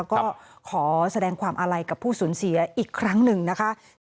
ก็ขอแสดงความอาลัยกับผู้สูญเสียอีกครั้งหนึ่งนะคะ